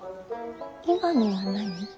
今のは何。